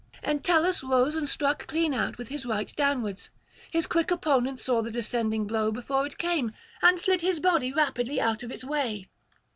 Entellus rose and struck clean out with his right downwards; his quick opponent saw the descending blow before it came, [445 481]and slid his body rapidly out of its way.